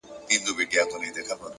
زحمت د باور ثبوت دی,